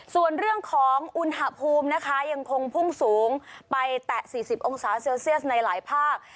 ส่วนเรื่องของอุณหภูมินะคะยังคงพุ่งสูงไปแตะ๔๐องศาเซลเซียสในหลายภาค